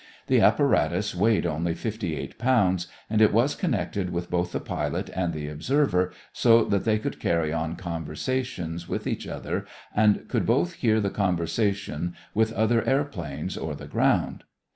The apparatus weighed only fifty eight pounds and it was connected with both the pilot and the observer so that they could carry on conversations with each other and could both hear the conversation with other airplanes or the ground.